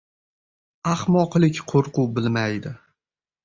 • Axmoqlik qo‘rquv bilmaydi.